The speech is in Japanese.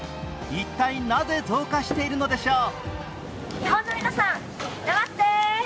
一体、なぜ増加しているのでしょう？